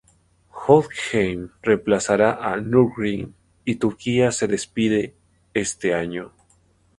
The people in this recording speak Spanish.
Hockenheim reemplazará a Nürburgring, y Turquía se despide este año.